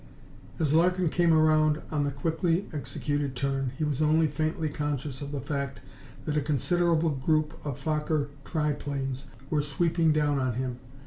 As Larkin came around on the quickly executed turn he was only faintly conscious of the fact that a considerable group of Fokker tri planes were sweeping down on him.